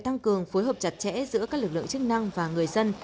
tăng cường phối hợp chặt chẽ giữa các lực lượng chức năng và người dân